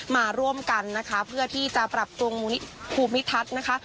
มาร่วมกันนะคะเพื่อที่จะปรับปรุงภูมิทัศน์นะคะ